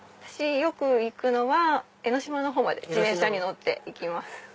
よく行くのは江の島の方まで自転車に乗って行きます。